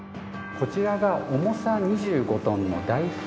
こちらが重さ２５トンの大金庫扉です。